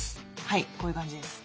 はいこういう感じです。